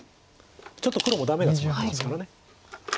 ちょっと黒もダメがツマってますから。